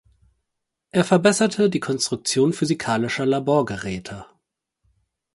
Er verbesserte die Konstruktion physikalischer Laborgeräte.